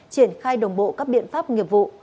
triển khai đồng bộ các biện pháp nghiệp vụ